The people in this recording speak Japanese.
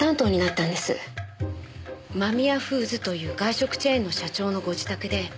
間宮フーズという外食チェーンの社長のご自宅で。